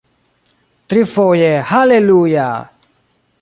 Trifoje haleluja!